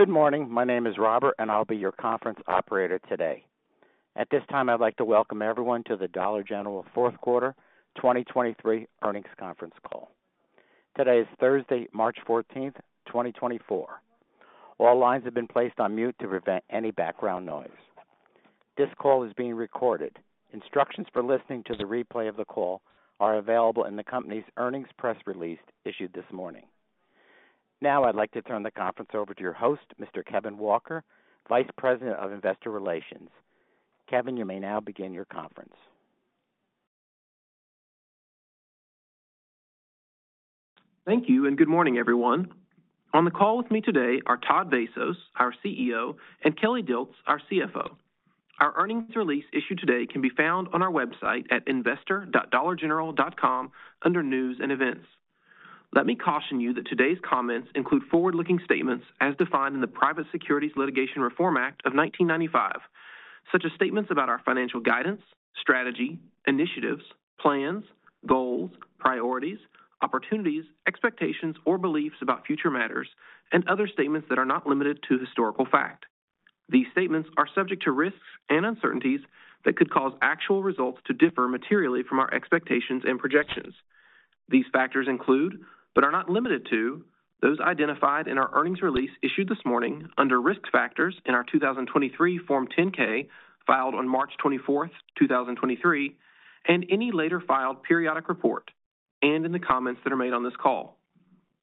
Good morning. My name is Robert, and I'll be your conference operator today. At this time, I'd like to welcome everyone to the Dollar General fourth quarter 2023 earnings conference call. Today is Thursday, March 14, 2024. All lines have been placed on mute to prevent any background noise. This call is being recorded. Instructions for listening to the replay of the call are available in the company's earnings press release issued this morning. Now I'd like to turn the conference over to your host, Mr. Kevin Walker, Vice President of Investor Relations. Kevin, you may now begin your conference. Thank you, and good morning, everyone. On the call with me today are Todd Vasos, our CEO, and Kelly Dilts, our CFO. Our earnings release issued today can be found on our website at investor.dollargeneral.com under News and Events. Let me caution you that today's comments include forward-looking statements as defined in the Private Securities Litigation Reform Act of 1995, such as statements about our financial guidance, strategy, initiatives, plans, goals, priorities, opportunities, expectations, or beliefs about future matters, and other statements that are not limited to historical fact. These statements are subject to risks and uncertainties that could cause actual results to differ materially from our expectations and projections. These factors include, but are not limited to, those identified in our earnings release issued this morning under Risk Factors in our 2023 Form 10-K filed on March 24, 2023, and any later filed periodic report, and in the comments that are made on this call.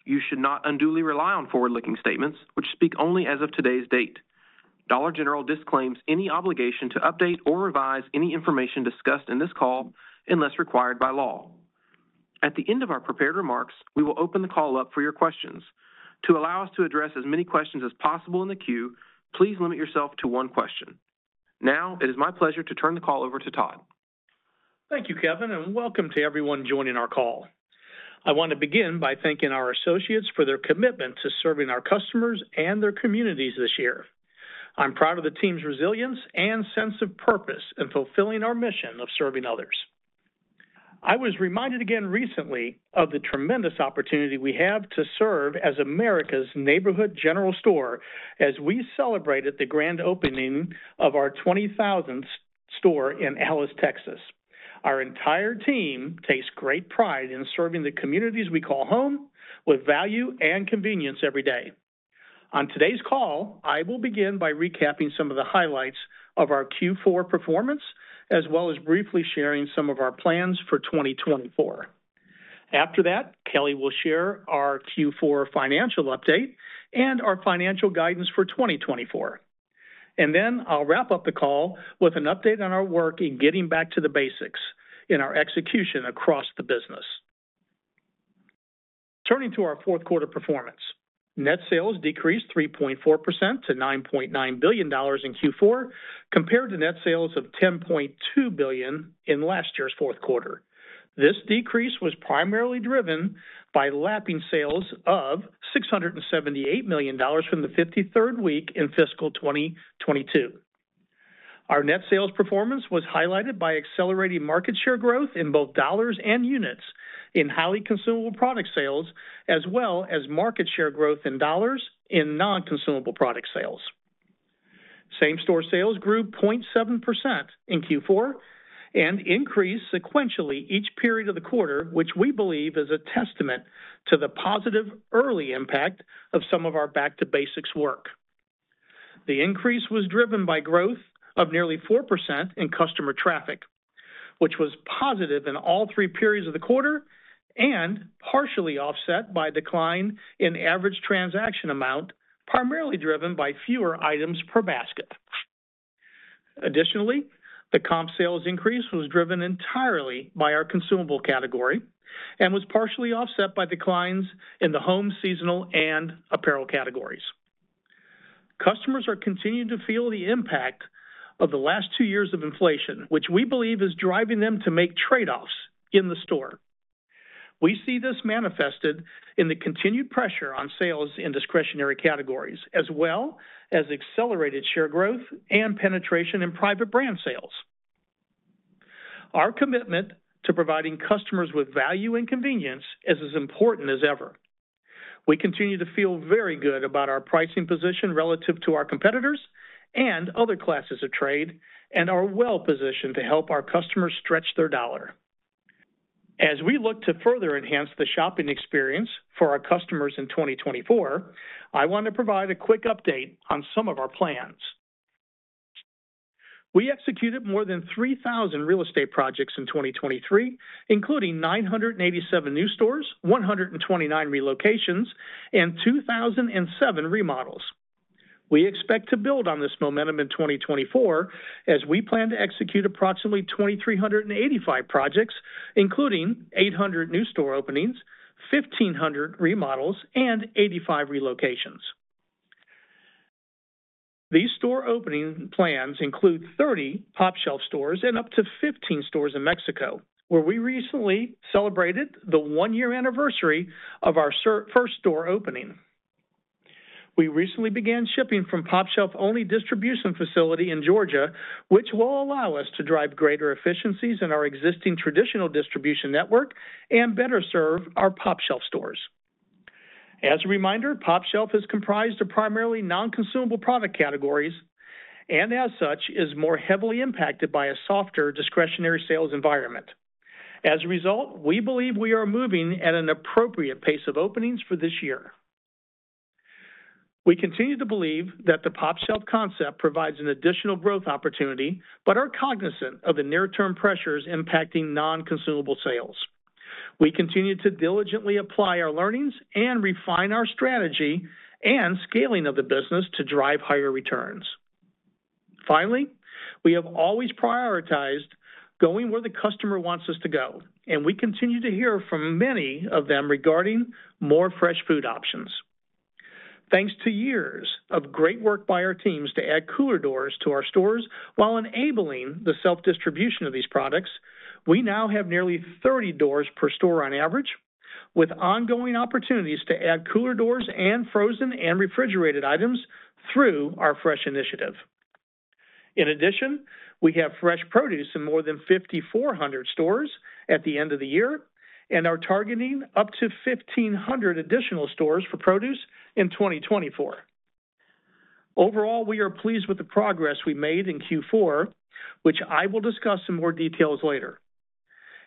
You should not unduly rely on forward-looking statements which speak only as of today's date. Dollar General disclaims any obligation to update or revise any information discussed in this call unless required by law. At the end of our prepared remarks, we will open the call up for your questions. To allow us to address as many questions as possible in the queue, please limit yourself to one question. Now it is my pleasure to turn the call over to Todd. Thank you, Kevin, and welcome to everyone joining our call. I want to begin by thanking our associates for their commitment to serving our customers and their communities this year. I'm proud of the team's resilience and sense of purpose in fulfilling our mission of serving others. I was reminded again recently of the tremendous opportunity we have to serve as America's Neighborhood General Store as we celebrated the grand opening of our 20,000th store in Alice, Texas. Our entire team takes great pride in serving the communities we call home with value and convenience every day. On today's call, I will begin by recapping some of the highlights of our Q4 performance as well as briefly sharing some of our plans for 2024. After that, Kelly will share our Q4 financial update and our financial guidance for 2024. Then I'll wrap up the call with an update on our work in getting back to the basics in our execution across the business. Turning to our fourth quarter performance. Net sales decreased 3.4% to $9.9 billion in Q4 compared to net sales of $10.2 billion in last year's fourth quarter. This decrease was primarily driven by lapping sales of $678 million from the 53rd week in Fiscal 2022. Our net sales performance was highlighted by accelerating market share growth in both dollars and units in highly consumable product sales, as well as market share growth in dollars in non-consumable product sales. Same-store sales grew 0.7% in Q4 and increased sequentially each period of the quarter, which we believe is a testament to the positive early impact of some of our back-to-basics work. The increase was driven by growth of nearly 4% in customer traffic, which was positive in all three periods of the quarter and partially offset by a decline in average transaction amount, primarily driven by fewer items per basket. Additionally, the comp sales increase was driven entirely by our consumable category and was partially offset by declines in the home, seasonal, and apparel categories. Customers are continuing to feel the impact of the last two years of inflation, which we believe is driving them to make trade-offs in the store. We see this manifested in the continued pressure on sales in discretionary categories, as well as accelerated share growth and penetration in private brand sales. Our commitment to providing customers with value and convenience is as important as ever. We continue to feel very good about our pricing position relative to our competitors and other classes of trade, and are well positioned to help our customers stretch their dollar. As we look to further enhance the shopping experience for our customers in 2024, I want to provide a quick update on some of our plans. We executed more than 3,000 real estate projects in 2023, including 987 new stores, 129 relocations, and 2,007 remodels. We expect to build on this momentum in 2024, as we plan to execute approximately 2,385 projects, including 800 new store openings, 1,500 remodels, and 85 relocations. These store opening plans include 30 pOpshelf stores and up to 15 stores in Mexico, where we recently celebrated the one-year anniversary of our first store opening. We recently began shipping from pOpshelf-only distribution facility in Georgia, which will allow us to drive greater efficiencies in our existing traditional distribution network and better serve our pOpshelf stores. As a reminder, pOpshelf is comprised of primarily non-consumable product categories and, as such, is more heavily impacted by a softer discretionary sales environment. As a result, we believe we are moving at an appropriate pace of openings for this year. We continue to believe that the pOpshelf concept provides an additional growth opportunity, but are cognizant of the near-term pressures impacting non-consumable sales. We continue to diligently apply our learnings and refine our strategy and scaling of the business to drive higher returns. Finally, we have always prioritized going where the customer wants us to go, and we continue to hear from many of them regarding more fresh food options. Thanks to years of great work by our teams to add cooler doors to our stores while enabling the self-distribution of these products, we now have nearly 30 doors per store on average, with ongoing opportunities to add cooler doors and frozen and refrigerated items through our Fresh Initiative. In addition, we have fresh produce in more than 5,400 stores at the end of the year, and are targeting up to 1,500 additional stores for produce in 2024. Overall, we are pleased with the progress we made in Q4, which I will discuss in more details later.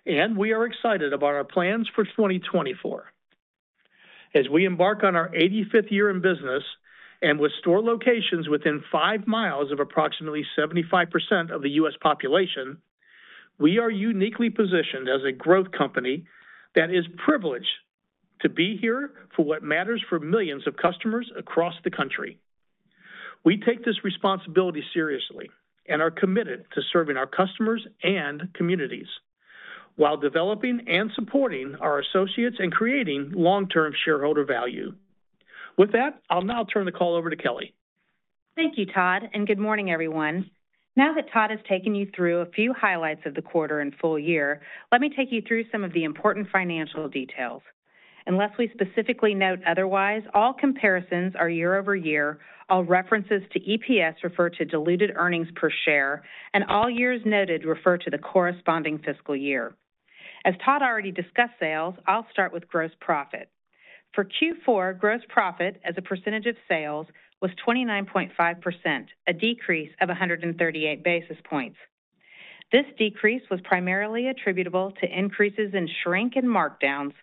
We are excited about our plans for 2024. As we embark on our 85th year in business and with store locations within five miles of approximately 75% of the U.S. population, we are uniquely positioned as a growth company that is privileged to be here for what matters for millions of customers across the country. We take this responsibility seriously and are committed to serving our customers and communities while developing and supporting our associates and creating long-term shareholder value. With that, I'll now turn the call over to Kelly. Thank you, Todd, and good morning, everyone. Now that Todd has taken you through a few highlights of the quarter and full year, let me take you through some of the important financial details. Unless we specifically note otherwise, all comparisons are year-over-year, all references to EPS refer to diluted earnings per share, and all years noted refer to the corresponding fiscal year. As Todd already discussed sales, I'll start with gross profit. For Q4, gross profit, as a percentage of sales, was 29.5%, a decrease of 138 basis points. This decrease was primarily attributable to increases in shrink and markdowns,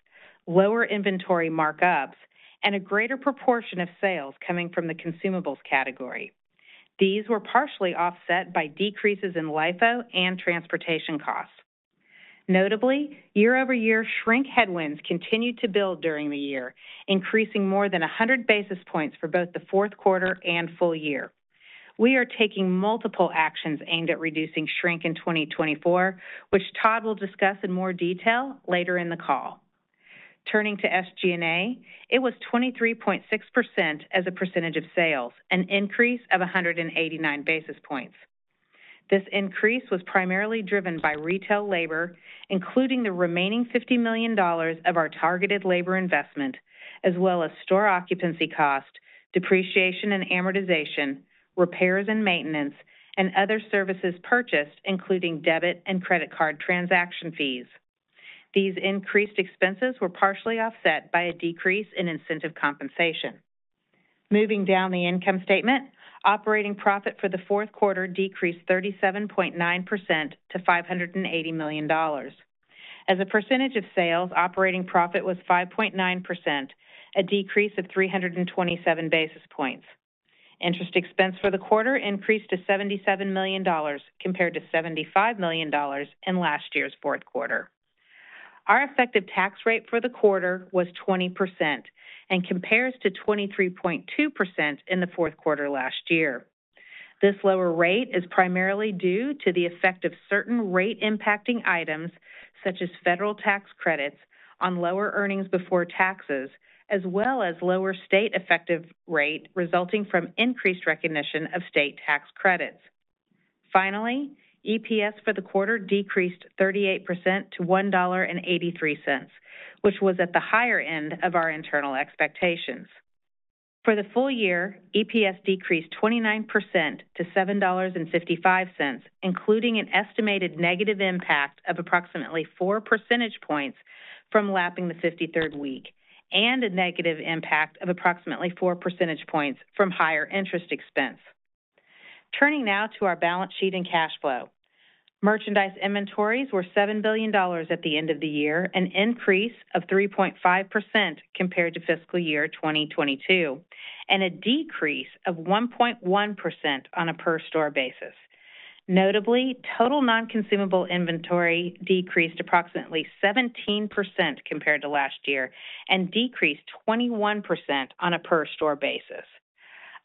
lower inventory markups, and a greater proportion of sales coming from the consumables category. These were partially offset by decreases in LIFO and transportation costs. Notably, year-over-year shrink headwinds continued to build during the year, increasing more than 100 basis points for both the fourth quarter and full year. We are taking multiple actions aimed at reducing shrink in 2024, which Todd will discuss in more detail later in the call. Turning to SG&A, it was 23.6% as a percentage of sales, an increase of 189 basis points. This increase was primarily driven by retail labor, including the remaining $50 million of our targeted labor investment, as well as store occupancy cost, depreciation and amortization, repairs and maintenance, and other services purchased, including debit and credit card transaction fees. These increased expenses were partially offset by a decrease in incentive compensation. Moving down the income statement, operating profit for the fourth quarter decreased 37.9% to $580 million. As a percentage of sales, operating profit was 5.9%, a decrease of 327 basis points. Interest expense for the quarter increased to $77 million compared to $75 million in last year's fourth quarter. Our effective tax rate for the quarter was 20% and compares to 23.2% in the fourth quarter last year. This lower rate is primarily due to the effect of certain rate-impacting items, such as federal tax credits on lower earnings before taxes, as well as lower state effective rate resulting from increased recognition of state tax credits. Finally, EPS for the quarter decreased 38% to $1.83, which was at the higher end of our internal expectations. For the full year, EPS decreased 29% to $7.55, including an estimated negative impact of approximately 4 percentage points from lapping the 53rd week and a negative impact of approximately 4 percentage points from higher interest expense. Turning now to our balance sheet and cash flow. Merchandise inventories were $7 billion at the end of the year, an increase of 3.5% compared to Fiscal 2022, and a decrease of 1.1% on a per-store basis. Notably, total non-consumable inventory decreased approximately 17% compared to last year and decreased 21% on a per-store basis.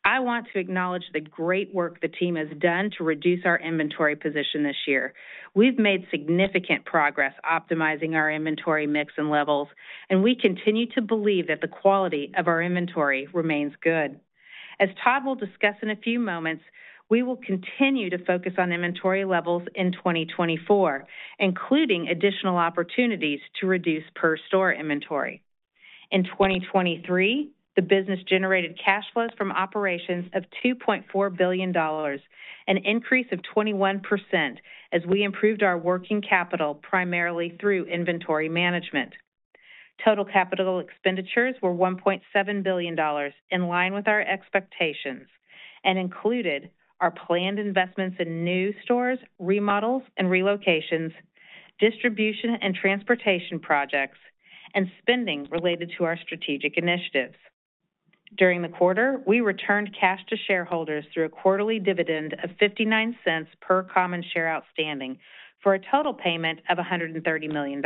I want to acknowledge the great work the team has done to reduce our inventory position this year. We've made significant progress optimizing our inventory mix and levels, and we continue to believe that the quality of our inventory remains good. As Todd will discuss in a few moments, we will continue to focus on inventory levels in 2024, including additional opportunities to reduce per-store inventory. In 2023, the business generated cash flows from operations of $2.4 billion, an increase of 21% as we improved our working capital primarily through inventory management. Total capital expenditures were $1.7 billion, in line with our expectations, and included our planned investments in new stores, remodels, and relocations, distribution and transportation projects, and spending related to our strategic initiatives. During the quarter, we returned cash to shareholders through a quarterly dividend of $0.59 per common share outstanding for a total payment of $130 million.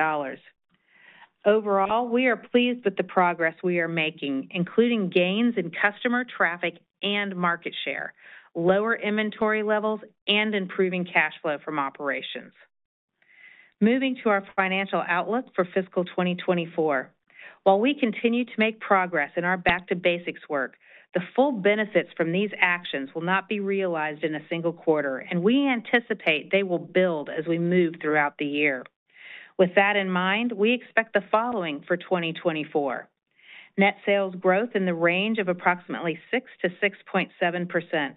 Overall, we are pleased with the progress we are making, including gains in customer traffic and market share, lower inventory levels, and improving cash flow from operations. Moving to our financial outlook for fiscal 2024. While we continue to make progress in our Back to Basics work, the full benefits from these actions will not be realized in a single quarter, and we anticipate they will build as we move throughout the year. With that in mind, we expect the following for 2024: net sales growth in the range of approximately 6%-6.7%,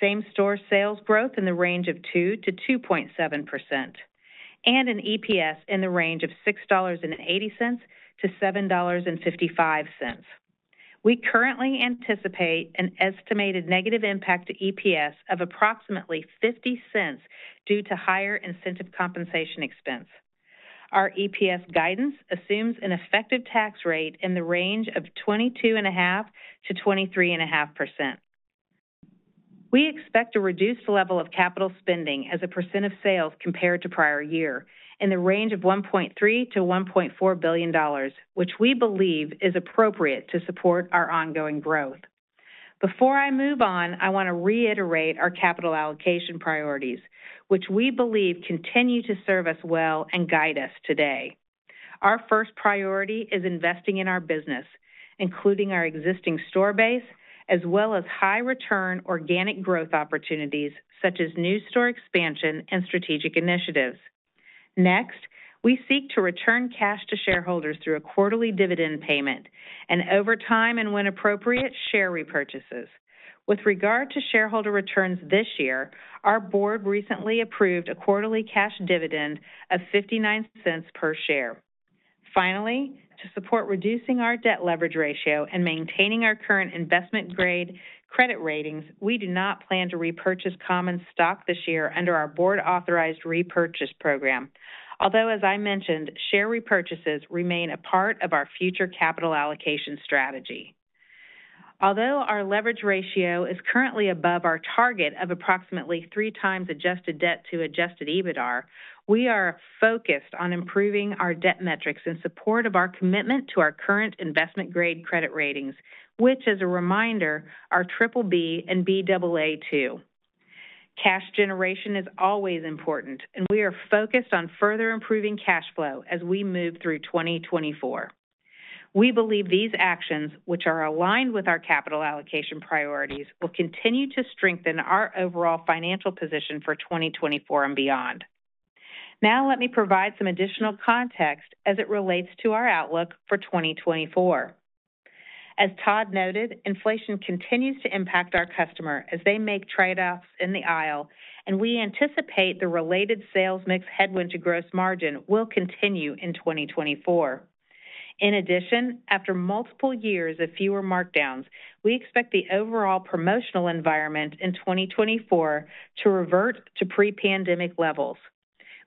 same-store sales growth in the range of 2%-2.7%, and an EPS in the range of $6.80-$7.55. We currently anticipate an estimated negative impact to EPS of approximately $0.50 due to higher incentive compensation expense. Our EPS guidance assumes an effective tax rate in the range of 22.5%-23.5%. We expect a reduced level of capital spending as a percent of sales compared to prior year, in the range of $1.3-$1.4 billion, which we believe is appropriate to support our ongoing growth. Before I move on, I want to reiterate our capital allocation priorities, which we believe continue to serve us well and guide us today. Our first priority is investing in our business, including our existing store base, as well as high-return organic growth opportunities such as new store expansion and strategic initiatives. Next, we seek to return cash to shareholders through a quarterly dividend payment and, over time and when appropriate, share repurchases. With regard to shareholder returns this year, our board recently approved a quarterly cash dividend of $0.59 per share. Finally, to support reducing our debt leverage ratio and maintaining our current investment-grade credit ratings, we do not plan to repurchase common stock this year under our board-authorized repurchase program, although, as I mentioned, share repurchases remain a part of our future capital allocation strategy. Although our leverage ratio is currently above our target of approximately three times adjusted debt to adjusted EBITDA, we are focused on improving our debt metrics in support of our commitment to our current investment-grade credit ratings, which, as a reminder, are BBB and Baa2. Cash generation is always important, and we are focused on further improving cash flow as we move through 2024. We believe these actions, which are aligned with our capital allocation priorities, will continue to strengthen our overall financial position for 2024 and beyond. Now, let me provide some additional context as it relates to our outlook for 2024. As Todd noted, inflation continues to impact our customer as they make trade-offs in the aisle, and we anticipate the related sales mix headwind to gross margin will continue in 2024. In addition, after multiple years of fewer markdowns, we expect the overall promotional environment in 2024 to revert to pre-pandemic levels.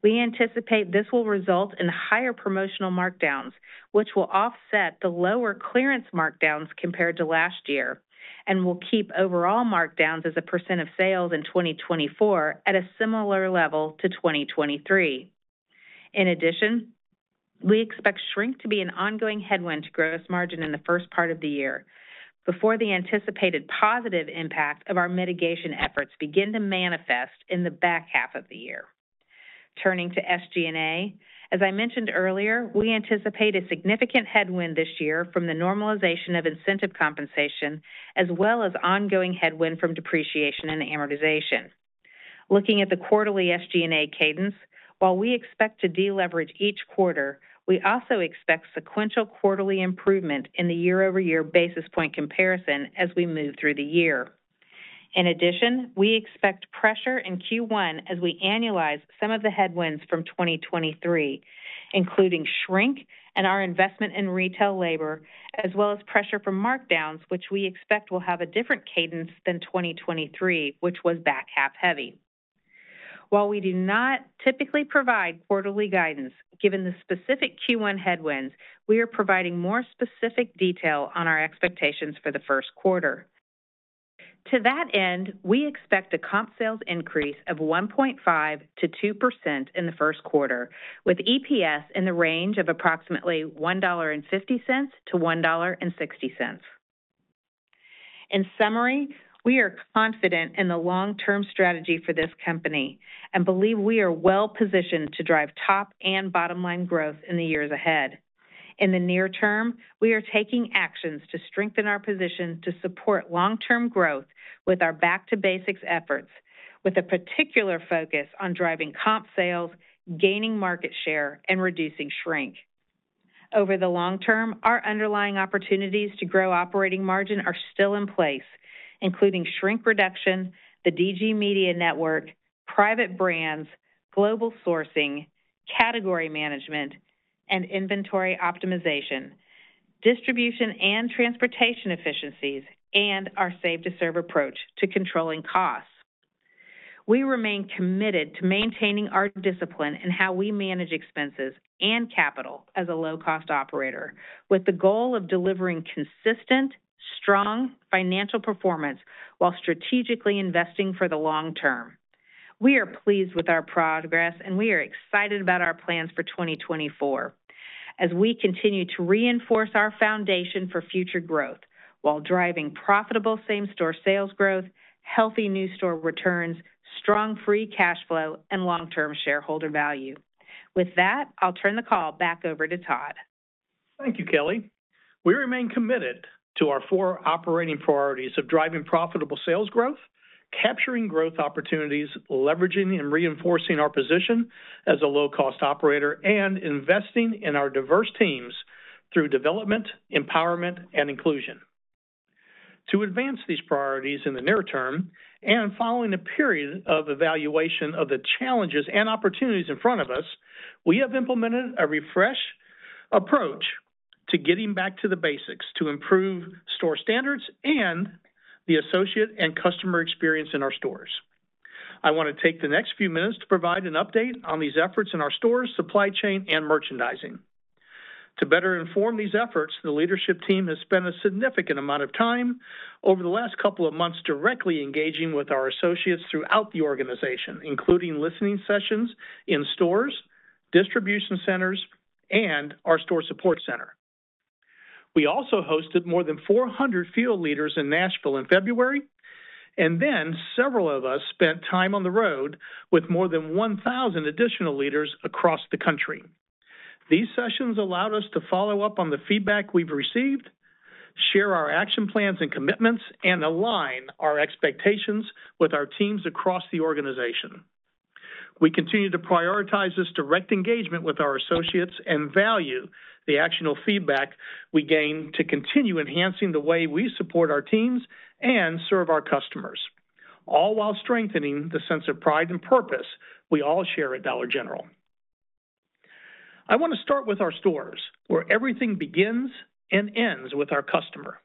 We anticipate this will result in higher promotional markdowns, which will offset the lower clearance markdowns compared to last year, and will keep overall markdowns as a % of sales in 2024 at a similar level to 2023. In addition, we expect shrink to be an ongoing headwind to gross margin in the first part of the year, before the anticipated positive impact of our mitigation efforts begin to manifest in the back half of the year. Turning to SG&A, as I mentioned earlier, we anticipate a significant headwind this year from the normalization of incentive compensation, as well as ongoing headwind from depreciation and amortization. Looking at the quarterly SG&A cadence, while we expect to deleverage each quarter, we also expect sequential quarterly improvement in the year-over-year basis point comparison as we move through the year. In addition, we expect pressure in Q1 as we annualize some of the headwinds from 2023, including shrink and our investment in retail labor, as well as pressure from markdowns, which we expect will have a different cadence than 2023, which was back half-heavy. While we do not typically provide quarterly guidance given the specific Q1 headwinds, we are providing more specific detail on our expectations for the first quarter. To that end, we expect a comp sales increase of 1.5%-2% in the first quarter, with EPS in the range of approximately $1.50-$1.60. In summary, we are confident in the long-term strategy for this company and believe we are well-positioned to drive top and bottom-line growth in the years ahead. In the near term, we are taking actions to strengthen our position to support long-term growth with our Back to Basics efforts, with a particular focus on driving comp sales, gaining market share, and reducing shrink. Over the long term, our underlying opportunities to grow operating margin are still in place, including shrink reduction, the DG Media Network, private brands, global sourcing, category management, and inventory optimization, distribution and transportation efficiencies, and our Save to Serve approach to controlling costs. We remain committed to maintaining our discipline in how we manage expenses and capital as a low-cost operator, with the goal of delivering consistent, strong financial performance while strategically investing for the long term. We are pleased with our progress, and we are excited about our plans for 2024 as we continue to reinforce our foundation for future growth while driving profitable same-store sales growth, healthy new store returns, strong free cash flow, and long-term shareholder value. With that, I'll turn the call back over to Todd. Thank you, Kelly. We remain committed to our four operating priorities of driving profitable sales growth, capturing growth opportunities, leveraging and reinforcing our position as a low-cost operator, and investing in our diverse teams through development, empowerment, and inclusion. To advance these priorities in the near term and following a period of evaluation of the challenges and opportunities in front of us, we have implemented a refreshed approach to getting Back to Basics to improve store standards and the associate and customer experience in our stores. I want to take the next few minutes to provide an update on these efforts in our stores, supply chain, and merchandising. To better inform these efforts, the leadership team has spent a significant amount of time over the last couple of months directly engaging with our associates throughout the organization, including listening sessions in stores, distribution centers, and our store support center. We also hosted more than 400 field leaders in Nashville in February, and then several of us spent time on the road with more than 1,000 additional leaders across the country. These sessions allowed us to follow up on the feedback we've received, share our action plans and commitments, and align our expectations with our teams across the organization. We continue to prioritize this direct engagement with our associates and value the actionable feedback we gain to continue enhancing the way we support our teams and serve our customers, all while strengthening the sense of pride and purpose we all share at Dollar General. I want to start with our stores, where everything begins and ends with our customer.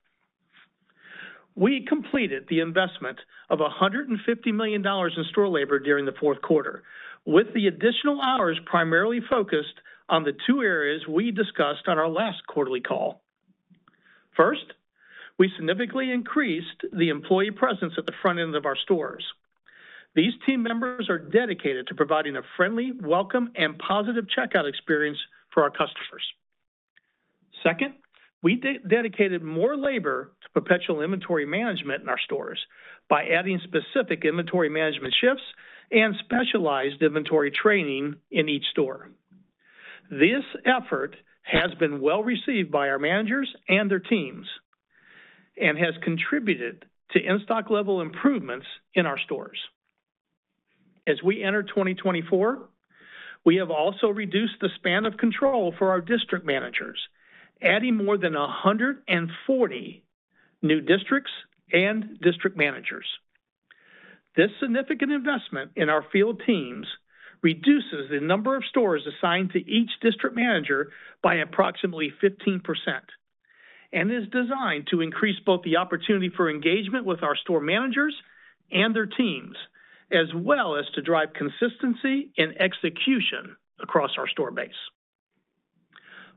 We completed the investment of $150 million in store labor during the fourth quarter, with the additional hours primarily focused on the two areas we discussed on our last quarterly call. First, we significantly increased the employee presence at the front end of our stores. These team members are dedicated to providing a friendly, welcome, and positive checkout experience for our customers. Second, we dedicated more labor to perpetual inventory management in our stores by adding specific inventory management shifts and specialized inventory training in each store. This effort has been well-received by our managers and their teams and has contributed to in-stock-level improvements in our stores. As we enter 2024, we have also reduced the span of control for our district managers, adding more than 140 new districts and district managers. This significant investment in our field teams reduces the number of stores assigned to each district manager by approximately 15% and is designed to increase both the opportunity for engagement with our store managers and their teams, as well as to drive consistency in execution across our store base.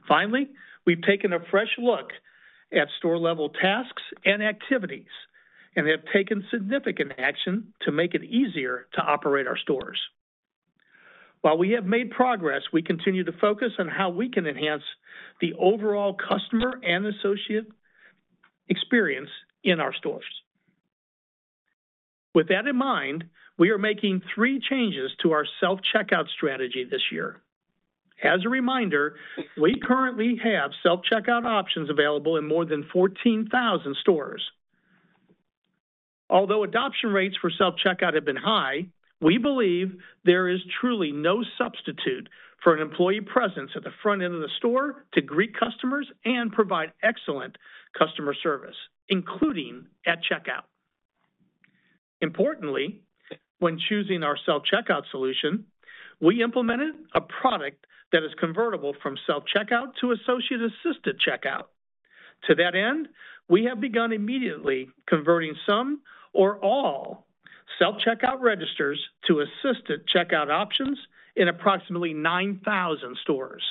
Finally, we've taken a fresh look at store-level tasks and activities and have taken significant action to make it easier to operate our stores. While we have made progress, we continue to focus on how we can enhance the overall customer and associate experience in our stores. With that in mind, we are making three changes to our self-checkout strategy this year. As a reminder, we currently have self-checkout options available in more than 14,000 stores. Although adoption rates for self-checkout have been high, we believe there is truly no substitute for an employee presence at the front end of the store to greet customers and provide excellent customer service, including at checkout. Importantly, when choosing our self-checkout solution, we implemented a product that is convertible from self-checkout to associate-assisted checkout. To that end, we have begun immediately converting some or all self-checkout registers to assisted checkout options in approximately 9,000 stores.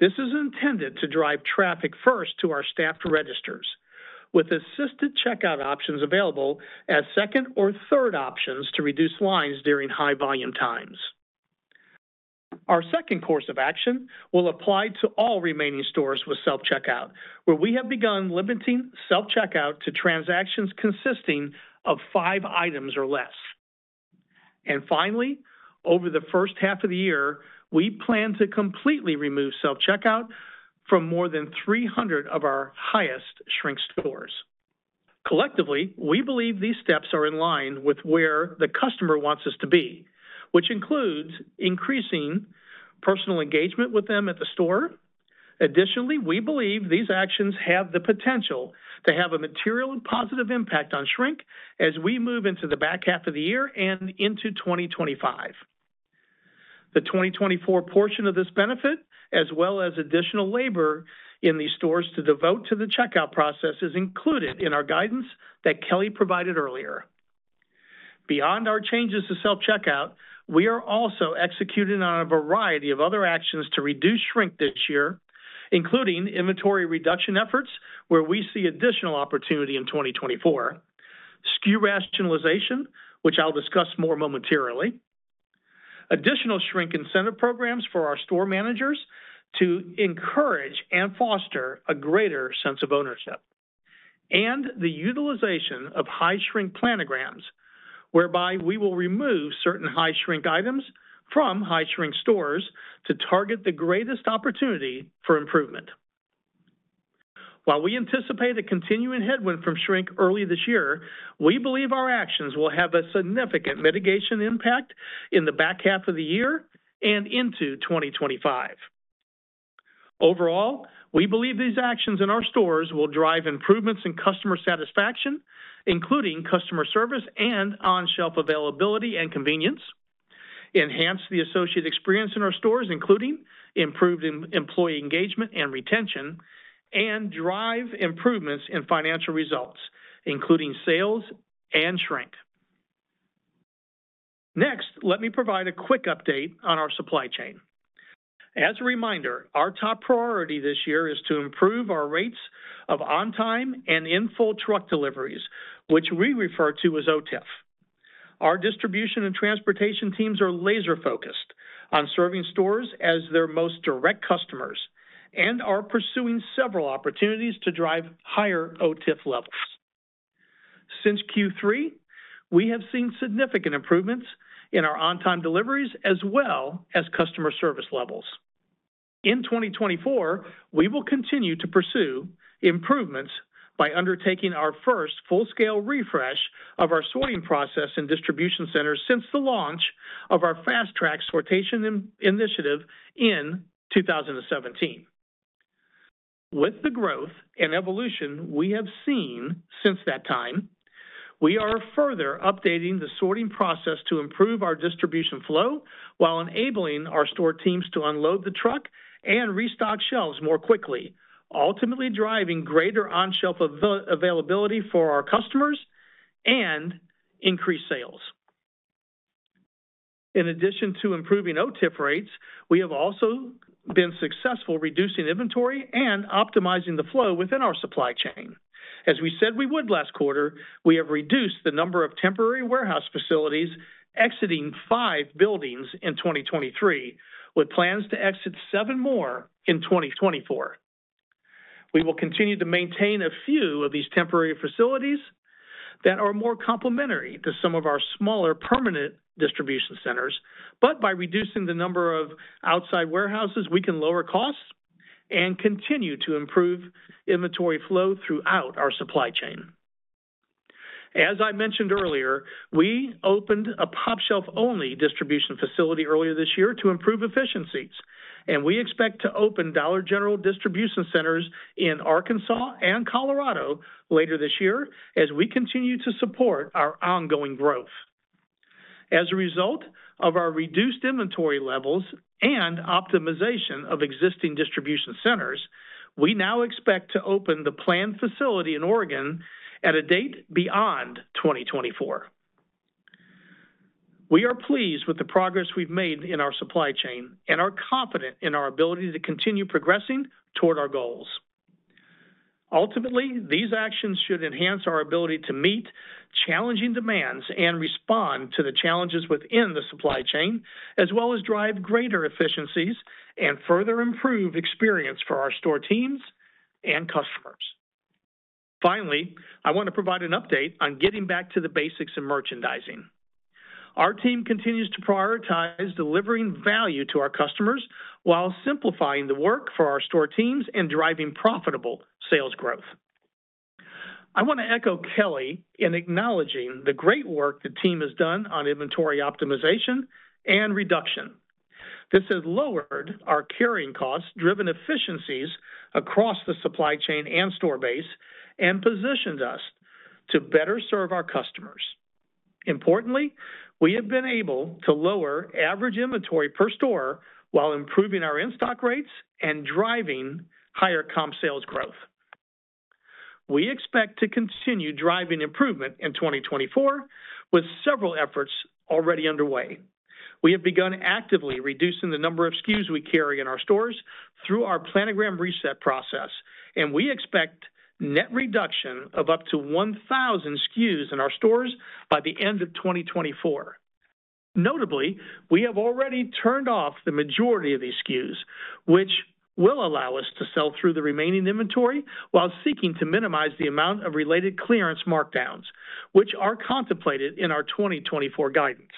This is intended to drive traffic first to our staffed registers, with assisted checkout options available as second or third options to reduce lines during high-volume times. Our second course of action will apply to all remaining stores with self-checkout, where we have begun limiting self-checkout to transactions consisting of five items or less. Finally, over the first half of the year, we plan to completely remove self-checkout from more than 300 of our highest-shrink stores. Collectively, we believe these steps are in line with where the customer wants us to be, which includes increasing personal engagement with them at the store. Additionally, we believe these actions have the potential to have a material and positive impact on shrink as we move into the back half of the year and into 2025. The 2024 portion of this benefit, as well as additional labor in these stores to devote to the checkout process, is included in our guidance that Kelly provided earlier. Beyond our changes to self-checkout, we are also executing on a variety of other actions to reduce shrink this year, including inventory reduction efforts where we see additional opportunity in 2024, SKU rationalization, which I'll discuss more momentarily, additional shrink incentive programs for our store managers to encourage and foster a greater sense of ownership, and the utilization of high-shrink planograms whereby we will remove certain high-shrink items from high-shrink stores to target the greatest opportunity for improvement. While we anticipate a continuing headwind from shrink early this year, we believe our actions will have a significant mitigation impact in the back half of the year and into 2025. Overall, we believe these actions in our stores will drive improvements in customer satisfaction, including customer service and on-shelf availability and convenience, enhance the associate experience in our stores, including improved employee engagement and retention, and drive improvements in financial results, including sales and shrink. Next, let me provide a quick update on our supply chain. As a reminder, our top priority this year is to improve our rates of on-time and in-full truck deliveries, which we refer to as OTIF. Our distribution and transportation teams are laser-focused on serving stores as their most direct customers and are pursuing several opportunities to drive higher OTIF levels. Since Q3, we have seen significant improvements in our on-time deliveries as well as customer service levels. In 2024, we will continue to pursue improvements by undertaking our first full-scale refresh of our sorting process in distribution centers since the launch of our Fast Track Sortation Initiative in 2017. With the growth and evolution we have seen since that time, we are further updating the sorting process to improve our distribution flow while enabling our store teams to unload the truck and restock shelves more quickly, ultimately driving greater on-shelf availability for our customers and increased sales. In addition to improving OTIF rates, we have also been successful reducing inventory and optimizing the flow within our supply chain. As we said we would last quarter, we have reduced the number of temporary warehouse facilities, exiting 5 buildings in 2023, with plans to exit 7 more in 2024. We will continue to maintain a few of these temporary facilities that are more complementary to some of our smaller permanent distribution centers, but by reducing the number of outside warehouses, we can lower costs and continue to improve inventory flow throughout our supply chain. As I mentioned earlier, we opened a pOpshelf-only distribution facility earlier this year to improve efficiencies, and we expect to open Dollar General distribution centers in Arkansas and Colorado later this year as we continue to support our ongoing growth. As a result of our reduced inventory levels and optimization of existing distribution centers, we now expect to open the planned facility in Oregon at a date beyond 2024. We are pleased with the progress we've made in our supply chain and are confident in our ability to continue progressing toward our goals. Ultimately, these actions should enhance our ability to meet challenging demands and respond to the challenges within the supply chain, as well as drive greater efficiencies and further improve experience for our store teams and customers. Finally, I want to provide an update on getting back to the basics in merchandising. Our team continues to prioritize delivering value to our customers while simplifying the work for our store teams and driving profitable sales growth. I want to echo Kelly in acknowledging the great work the team has done on inventory optimization and reduction. This has lowered our carrying cost-driven efficiencies across the supply chain and store base and positioned us to better serve our customers. Importantly, we have been able to lower average inventory per store while improving our in-stock rates and driving higher comp sales growth. We expect to continue driving improvement in 2024, with several efforts already underway. We have begun actively reducing the number of SKUs we carry in our stores through our planogram reset process, and we expect net reduction of up to 1,000 SKUs in our stores by the end of 2024. Notably, we have already turned off the majority of these SKUs, which will allow us to sell through the remaining inventory while seeking to minimize the amount of related clearance markdowns, which are contemplated in our 2024 guidance.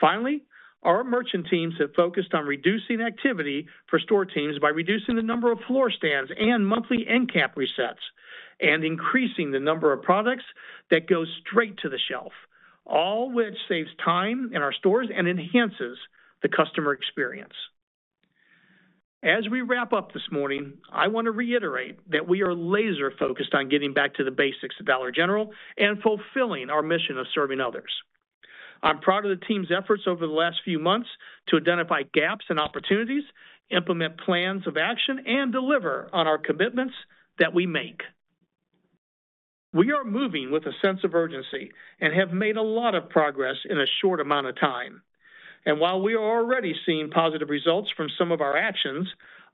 Finally, our merchant teams have focused on reducing activity for store teams by reducing the number of floor stands and monthly endcap resets, and increasing the number of products that go straight to the shelf, all which saves time in our stores and enhances the customer experience. As we wrap up this morning, I want to reiterate that we are laser-focused on getting back to the basics of Dollar General and fulfilling our mission of serving others. I'm proud of the team's efforts over the last few months to identify gaps and opportunities, implement plans of action, and deliver on our commitments that we make. We are moving with a sense of urgency and have made a lot of progress in a short amount of time. And while we are already seeing positive results from some of our actions,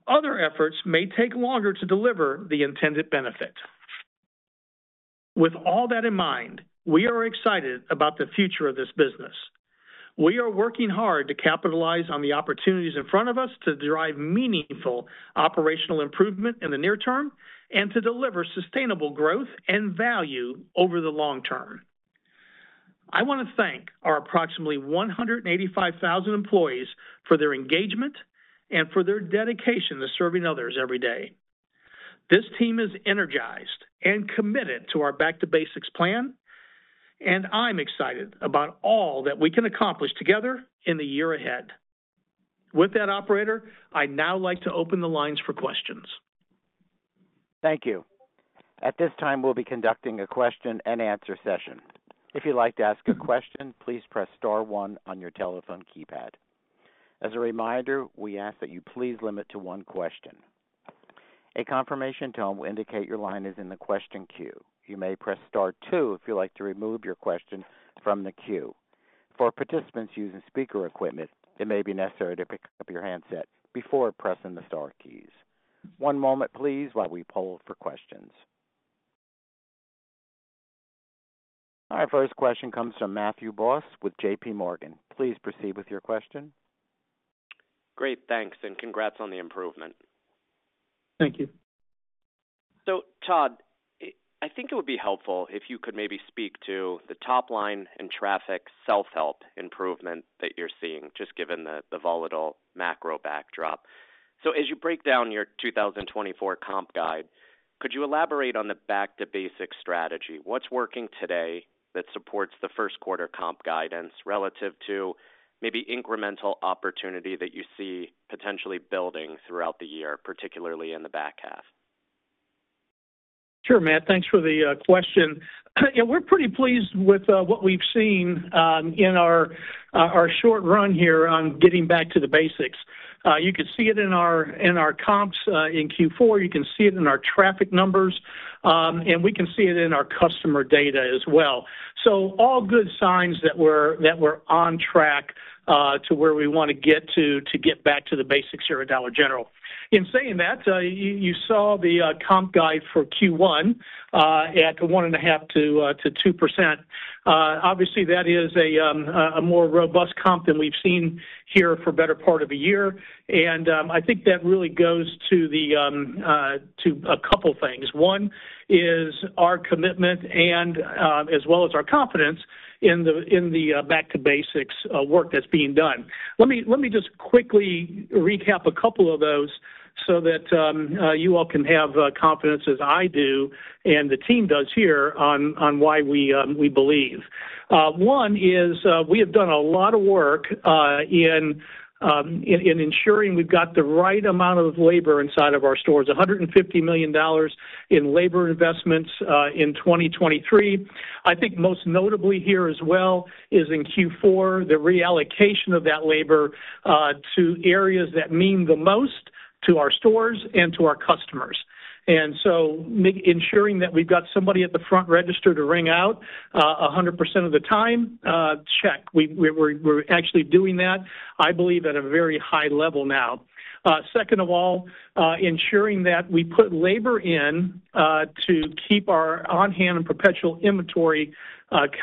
other efforts may take longer to deliver the intended benefit. With all that in mind, we are excited about the future of this business. We are working hard to capitalize on the opportunities in front of us to drive meaningful operational improvement in the near term and to deliver sustainable growth and value over the long term. I want to thank our approximately 185,000 employees for their engagement and for their dedication to serving others every day. This team is energized and committed to our Back to Basics plan, and I'm excited about all that we can accomplish together in the year ahead. With that, Operator, I now like to open the lines for questions. Thank you. At this time, we'll be conducting a question-and-answer session. If you'd like to ask a question, please press Star 1 on your telephone keypad. As a reminder, we ask that you please limit to one question. A confirmation tone will indicate your line is in the question queue. You may press Star 2 if you'd like to remove your question from the queue. For participants using speaker equipment, it may be necessary to pick up your handset before pressing the Star keys. One moment, please, while we poll for questions. Our first question comes from Matthew Boss with JP Morgan. Please proceed with your question. Great, thanks, and congrats on the improvement. Thank you. So, Todd, I think it would be helpful if you could maybe speak to the top-line and traffic self-help improvement that you're seeing, just given the volatile macro backdrop. So, as you break down your 2024 comp guide, could you elaborate on the Back to Basics strategy? What's working today that supports the first-quarter Comp Guidance relative to maybe incremental opportunity that you see potentially building throughout the year, particularly in the back half? Sure, Matt. Thanks for the question. Yeah, we're pretty pleased with what we've seen in our short run here on getting back to the basics. You can see it in our comps in Q4, you can see it in our traffic numbers, and we can see it in our customer data as well. So, all good signs that we're on track to where we want to get to to get back to the Basics here at Dollar General. In saying that, you saw the comp guide for Q1 at 1.5%-2%. Obviously, that is a more robust comp than we've seen here for the better part of a year, and I think that really goes to a couple of things. One is our commitment, as well as our confidence in the Back to Basics work that's being done. Let me just quickly recap a couple of those so that you all can have confidence, as I do and the team does here, on why we believe. One is we have done a lot of work in ensuring we've got the right amount of labor inside of our stores: $150 million in labor investments in 2023. I think most notably here as well is in Q4, the reallocation of that labor to areas that mean the most to our stores and to our customers. And so, ensuring that we've got somebody at the front register to ring out 100% of the time, check. We're actually doing that, I believe, at a very high level now. Second of all, ensuring that we put labor in to keep our on-hand and perpetual inventory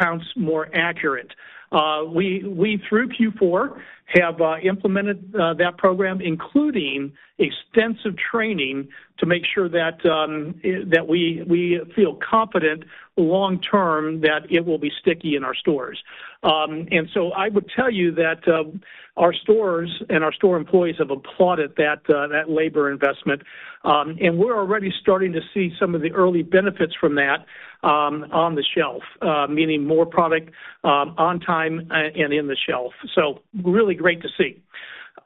counts more accurate. We, through Q4, have implemented that program, including extensive training to make sure that we feel confident long-term that it will be sticky in our stores. And so, I would tell you that our stores and our store employees have applauded that labor investment, and we're already starting to see some of the early benefits from that on the shelf, meaning more product on time and in the shelf. So, really great to see.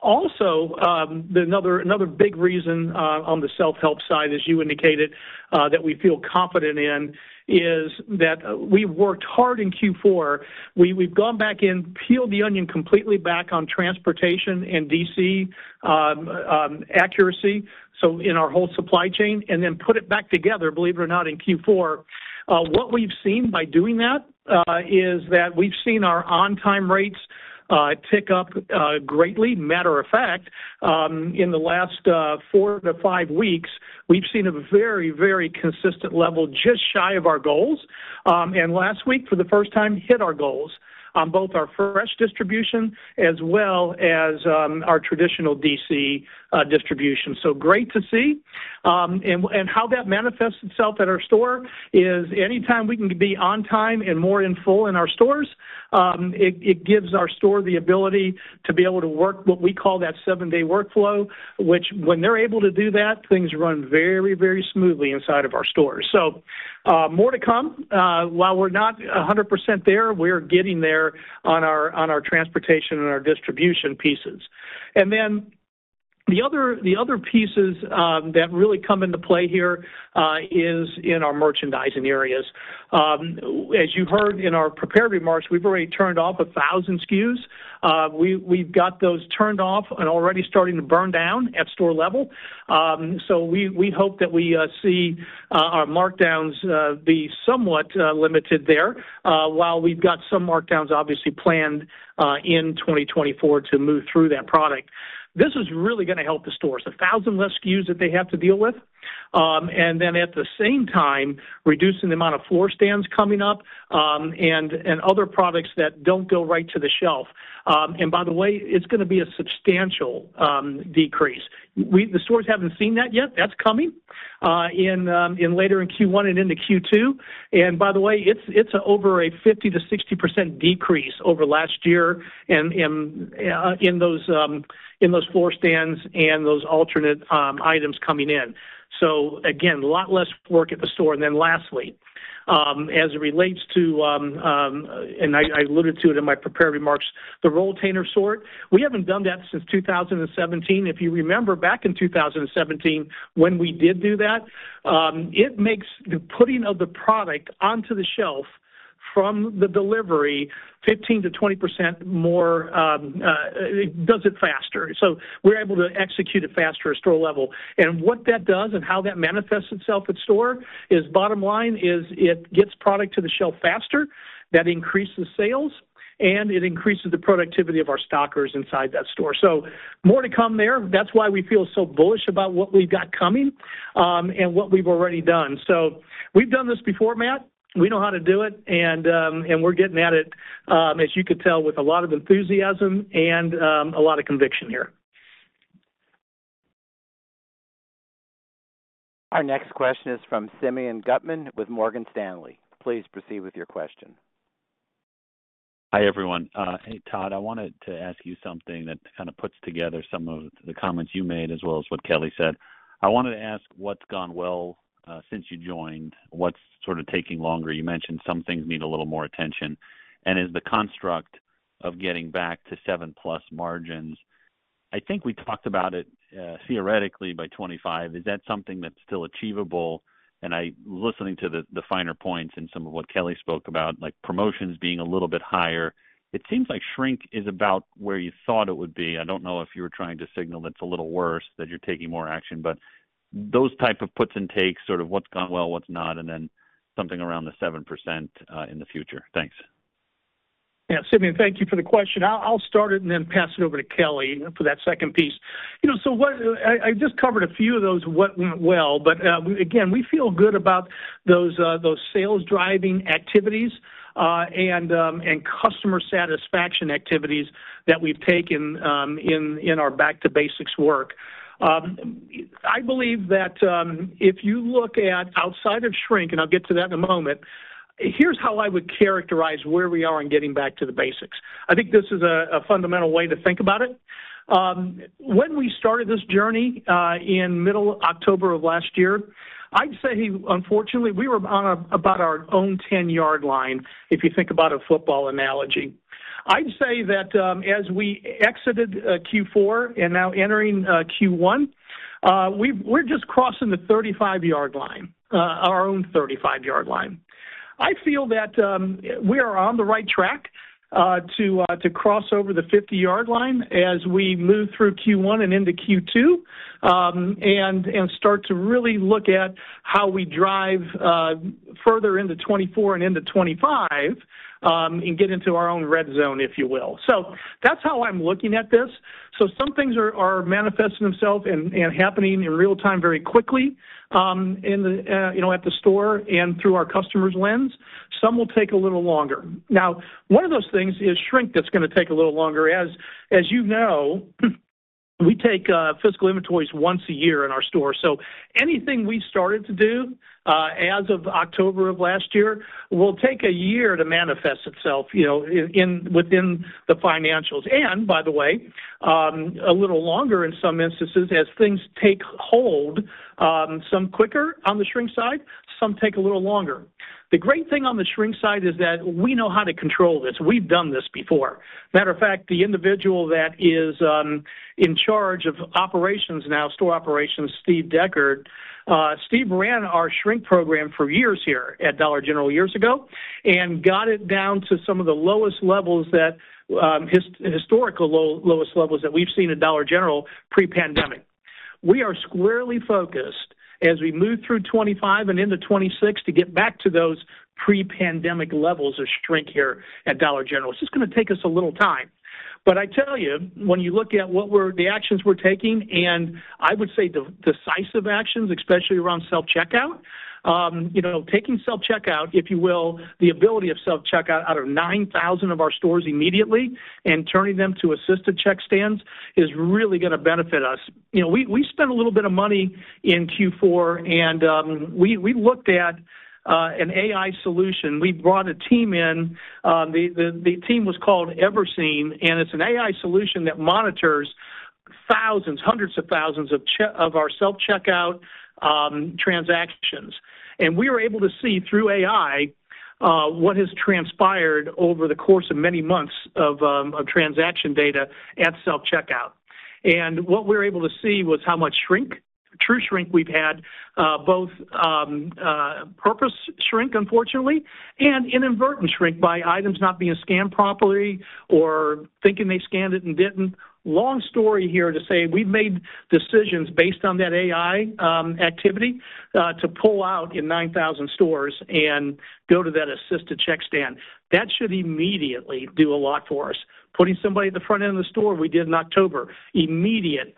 Also, another big reason on the self-help side, as you indicated, that we feel confident in is that we worked hard in Q4. We've gone back and peeled the onion completely back on transportation and DC accuracy, so in our whole supply chain, and then put it back together, believe it or not, in Q4. What we've seen by doing that is that we've seen our on-time rates tick up greatly. Matter of fact, in the last 4-5 weeks, we've seen a very, very consistent level just shy of our goals, and last week, for the first time, hit our goals on both our fresh distribution as well as our traditional DC distribution. So, great to see. How that manifests itself at our store is anytime we can be on time and in full in our stores, it gives our store the ability to be able to work what we call that 7-day workflow, which, when they're able to do that, things run very, very smoothly inside of our stores. More to come. While we're not 100% there, we're getting there on our transportation and our distribution pieces. Then the other pieces that really come into play here are in our merchandising areas. As you heard in our prepared remarks, we've already turned off 1,000 SKUs. We've got those turned off and already starting to burn down at store level. So, we hope that we see our markdowns be somewhat limited there, while we've got some markdowns obviously planned in 2024 to move through that product. This is really going to help the stores: 1,000 less SKUs that they have to deal with, and then at the same time, reducing the amount of floor stands coming up and other products that don't go right to the shelf. And by the way, it's going to be a substantial decrease. The stores haven't seen that yet. That's coming later in Q1 and into Q2. And by the way, it's over a 50%-60% decrease over last year in those floor stands and those alternate items coming in. So, again, a lot less work at the store. And then lastly, as it relates to, and I alluded to it in my prepared remarks, the Rolltainer sort. We haven't done that since 2017. If you remember, back in 2017, when we did do that, it makes the putting of the product onto the shelf from the delivery 15%-20% more, it does it faster. So, we're able to execute it faster at store level. And what that does and how that manifests itself at store is, bottom line, it gets product to the shelf faster, that increases sales, and it increases the productivity of our stockers inside that store. So, more to come there. That's why we feel so bullish about what we've got coming and what we've already done. So, we've done this before, Matt. We know how to do it, and we're getting at it, as you could tell, with a lot of enthusiasm and a lot of conviction here. Our next question is from Simeon Gutman with Morgan Stanley. Please proceed with your question. Hi, everyone. Hey, Todd. I wanted to ask you something that kind of puts together some of the comments you made, as well as what Kelly said. I wanted to ask what's gone well since you joined, what's sort of taking longer. You mentioned some things need a little more attention. And is the construct of getting back to 7+ margins—I think we talked about it theoretically by 2025—is that something that's still achievable? And I'm listening to the finer points in some of what Kelly spoke about, like promotions being a little bit higher. It seems like shrink is about where you thought it would be. I don't know if you were trying to signal that's a little worse, that you're taking more action, but those types of puts and takes, sort of what's gone well, what's not, and then something around the 7% in the future. Thanks. Yeah, Simeon, thank you for the question. I'll start it and then pass it over to Kelly for that second piece. So, I just covered a few of those of what went well, but again, we feel good about those sales-driving activities and customer satisfaction activities that we've taken in our Back to Basics work. I believe that if you look at outside of shrink - and I'll get to that in a moment - here's how I would characterize where we are in getting back to the basics. I think this is a fundamental way to think about it. When we started this journey in middle October of last year, I'd say, unfortunately, we were on about our own 10-yard line, if you think about a football analogy. I'd say that as we exited Q4 and now entering Q1, we're just crossing the 35-yard line, our own 35-yard line. I feel that we are on the right track to cross over the 50-yard line as we move through Q1 and into Q2 and start to really look at how we drive further into 2024 and into 2025 and get into our own red zone, if you will. So, that's how I'm looking at this. So, some things are manifesting themselves and happening in real time very quickly at the store and through our customer's lens. Some will take a little longer. Now, one of those things is shrink that's going to take a little longer. As you know, we take fiscal inventories once a year in our store, so anything we started to do as of October of last year will take a year to manifest itself within the financials. And by the way, a little longer in some instances. As things take hold, some quicker on the shrink side, some take a little longer. The great thing on the shrink side is that we know how to control this. We've done this before. Matter of fact, the individual that is in charge of operations now, store operations, Steve Deckard, Steve ran our shrink program for years here at Dollar General years ago and got it down to some of the lowest levels, the historical lowest levels that we've seen at Dollar General pre-pandemic. We are squarely focused as we move through 2025 and into 2026 to get back to those pre-pandemic levels of shrink here at Dollar General. It's just going to take us a little time. But I tell you, when you look at the actions we're taking, and I would say decisive actions, especially around self-checkout, taking self-checkout, if you will, the ability of self-checkout out of 9,000 of our stores immediately and turning them to assisted check stands is really going to benefit us. We spent a little bit of money in Q4, and we looked at an AI solution. We brought a team in. The team was called Everseen, and it's an AI solution that monitors thousands, hundreds of thousands of our self-checkout transactions. And we were able to see through AI what has transpired over the course of many months of transaction data at self-checkout. What we were able to see was how much shrink, true shrink, we've had, both purpose shrink, unfortunately, and inadvertent shrink by items not being scanned properly or thinking they scanned it and didn't. Long story here to say, we've made decisions based on that AI activity to pull out in 9,000 stores and go to that assisted check stand. That should immediately do a lot for us. Putting somebody at the front end of the store, we did in October, immediate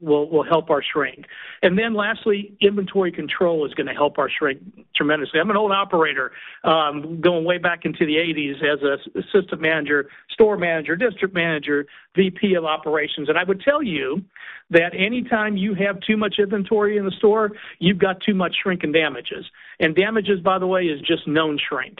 will help our shrink. Then lastly, inventory control is going to help our shrink tremendously. I'm an old operator going way back into the '80s as an assistant manager, store manager, district manager, VP of operations. I would tell you that anytime you have too much inventory in the store, you've got too much shrink and damages. Damages, by the way, is just known shrink.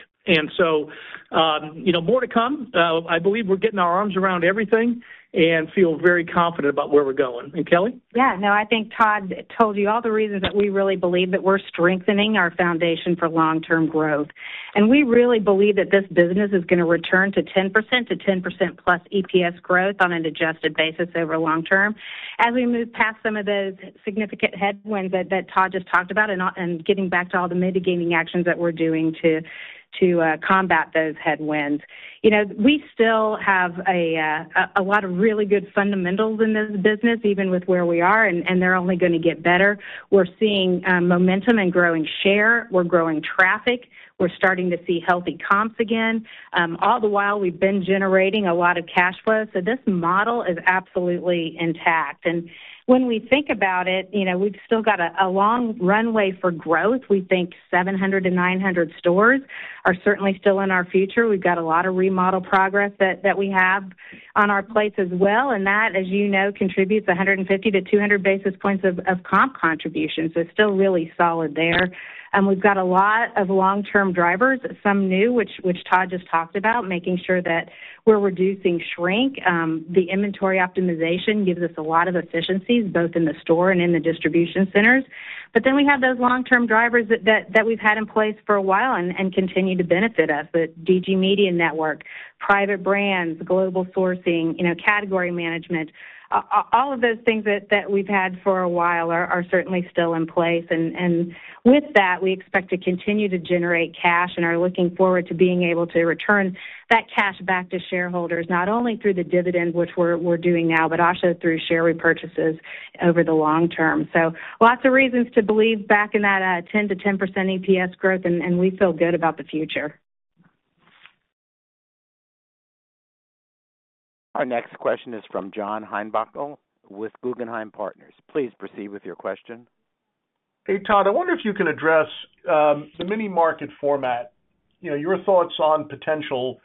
So, more to come. I believe we're getting our arms around everything and feel very confident about where we're going. And Kelly? Yeah. No, I think Todd told you all the reasons that we really believe that we're strengthening our foundation for long-term growth. And we really believe that this business is going to return to 10%-10%+ EPS growth on an adjusted basis over long term as we move past some of those significant headwinds that Todd just talked about and getting back to all the mitigating actions that we're doing to combat those headwinds. We still have a lot of really good fundamentals in this business, even with where we are, and they're only going to get better. We're seeing momentum and growing share. We're growing traffic. We're starting to see healthy comps again. All the while, we've been generating a lot of cash flow, so this model is absolutely intact. And when we think about it, we've still got a long runway for growth. We think 700-900 stores are certainly still in our future. We've got a lot of remodel progress that we have on our plates as well, and that, as you know, contributes 150-200 basis points of comp contribution. So, still really solid there. And we've got a lot of long-term drivers, some new, which Todd just talked about, making sure that we're reducing shrink. The inventory optimization gives us a lot of efficiencies, both in the store and in the distribution centers. But then we have those long-term drivers that we've had in place for a while and continue to benefit us, the DG Media Network, private brands, global sourcing, category management. All of those things that we've had for a while are certainly still in place. And with that, we expect to continue to generate cash and are looking forward to being able to return that cash back to shareholders, not only through the dividend, which we're doing now, but also through share repurchases over the long term. So, lots of reasons to believe back in that 10%-10% EPS growth, and we feel good about the future. Our next question is from John Heinbockel with Guggenheim Partners. Please proceed with your question. Hey, Todd. I wonder if you can address the mini-market format, your thoughts on potential,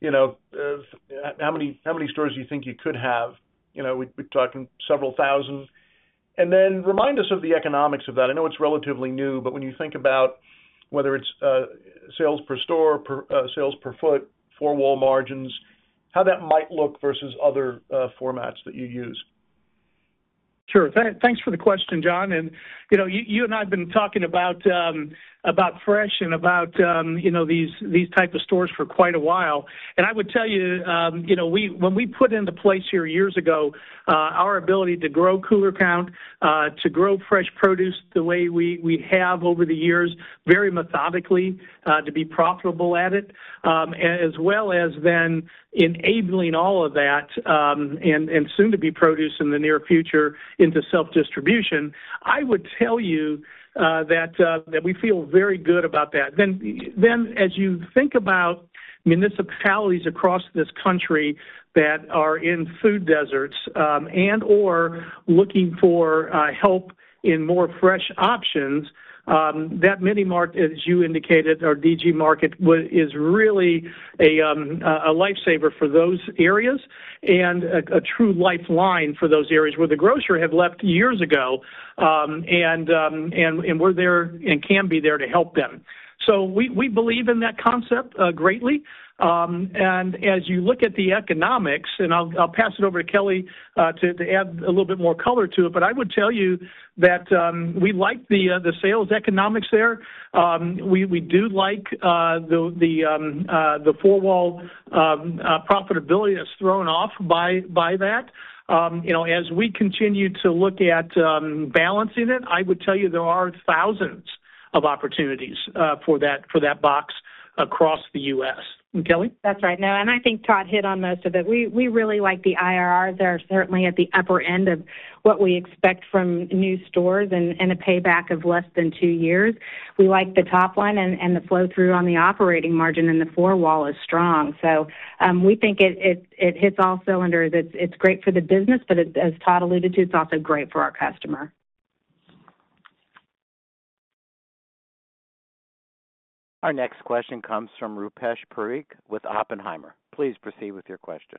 how many stores do you think you could have? We're talking several thousand. And then remind us of the economics of that. I know it's relatively new, but when you think about whether it's sales per store, sales per foot, four-wall margins, how that might look versus other formats that you use? Sure. Thanks for the question, John. And you and I have been talking about Fresh and about these types of stores for quite a while. And I would tell you, when we put into place here years ago, our ability to grow cooler count, to grow fresh produce the way we have over the years, very methodically, to be profitable at it, as well as then enabling all of that and soon-to-be produce in the near future into self-distribution, I would tell you that we feel very good about that. Then, as you think about municipalities across this country that are in food deserts and/or looking for help in more fresh options, that mini-market, as you indicated, our DG Market, is really a lifesaver for those areas and a true lifeline for those areas where the grocers have left years ago and were there and can be there to help them. So, we believe in that concept greatly. And as you look at the economics—and I'll pass it over to Kelly to add a little bit more color to it—but I would tell you that we like the sales economics there. We do like the four-wall profitability that's thrown off by that. As we continue to look at balancing it, I would tell you there are thousands of opportunities for that box across the U.S. And Kelly? That's right. No, and I think Todd hit on most of it. We really like the IRRs. They're certainly at the upper end of what we expect from new stores and a payback of less than 2 years. We like the top line and the flow-through on the operating margin, and the four-wall is strong. So, we think it hits all cylinders. It's great for the business, but as Todd alluded to, it's also great for our customer. Our next question comes from Rupesh Parikh with Oppenheimer. Please proceed with your question.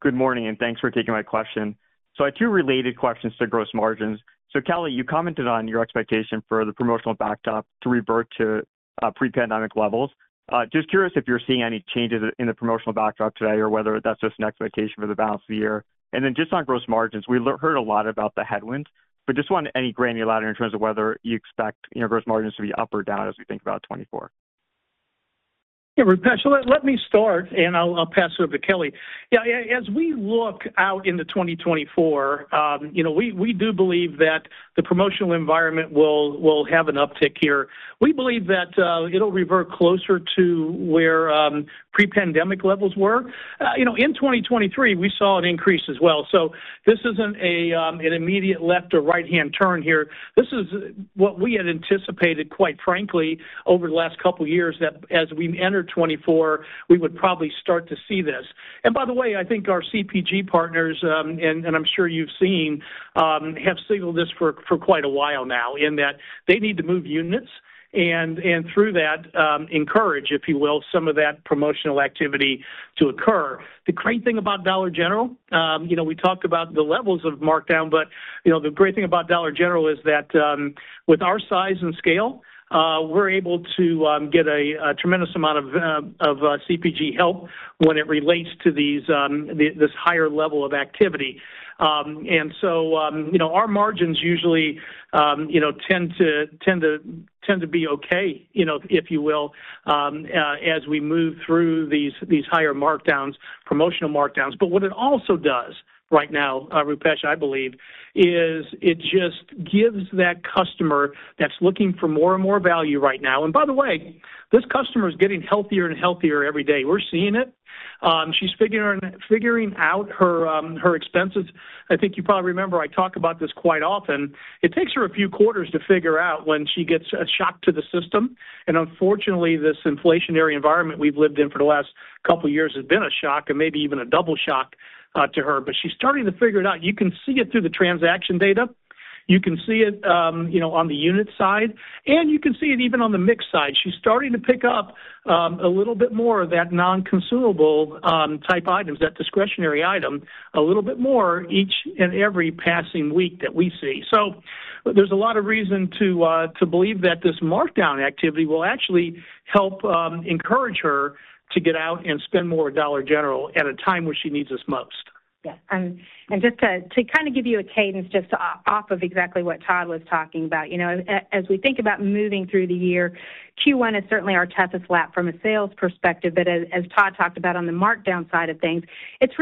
Good morning, and thanks for taking my question. So, I have two related questions to gross margins. So, Kelly, you commented on your expectation for the promotional backdrop to revert to pre-pandemic levels. Just curious if you're seeing any changes in the promotional backdrop today or whether that's just an expectation for the balance of the year. Then just on gross margins, we heard a lot about the headwinds, but just want any granularity in terms of whether you expect gross margins to be up or down as we think about 2024. Yeah, Rupesh, let me start, and I'll pass it over to Kelly. Yeah, as we look out into 2024, we do believe that the promotional environment will have an uptick here. We believe that it'll revert closer to where pre-pandemic levels were. In 2023, we saw an increase as well. So, this isn't an immediate left or right-hand turn here. This is what we had anticipated, quite frankly, over the last couple of years, that as we enter 2024, we would probably start to see this. And by the way, I think our CPG partners, and I'm sure you've seen, have signaled this for quite a while now in that they need to move units and through that encourage, if you will, some of that promotional activity to occur. The great thing about Dollar General, we talked about the levels of markdown, but the great thing about Dollar General is that with our size and scale, we're able to get a tremendous amount of CPG help when it relates to this higher level of activity. And so, our margins usually tend to be okay, if you will, as we move through these higher markdowns, promotional markdowns. But what it also does right now, Rupesh, I believe, is it just gives that customer that's looking for more and more value right now. And by the way, this customer is getting healthier and healthier every day. We're seeing it. She's figuring out her expenses. I think you probably remember I talk about this quite often. It takes her a few quarters to figure out when she gets a shock to the system. Unfortunately, this inflationary environment we've lived in for the last couple of years has been a shock and maybe even a double shock to her. But she's starting to figure it out. You can see it through the transaction data. You can see it on the unit side, and you can see it even on the mix side. She's starting to pick up a little bit more of that non-consumable type items, that discretionary item, a little bit more each and every passing week that we see. So, there's a lot of reason to believe that this markdown activity will actually help encourage her to get out and spend more at Dollar General at a time where she needs us most. Yeah. And just to kind of give you a cadence just off of exactly what Todd was talking about, as we think about moving through the year, Q1 is certainly our toughest lap from a sales perspective. But as Todd talked about on the markdown side of things, it's